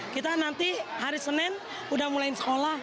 kita nanti hari senin sudah mulai sekolah